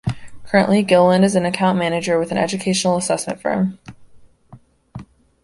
Currently Gilleland is an Account Manager with an educational assessment firm.